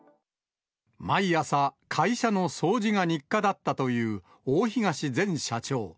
毎朝、会社の掃除が日課だったという大東前社長。